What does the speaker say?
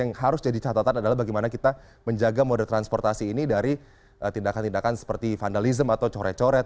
yang harus jadi catatan adalah bagaimana kita menjaga moda transportasi ini dari tindakan tindakan seperti vandalism atau coret coret